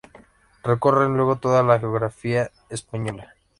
Recorren luego toda la geografía española.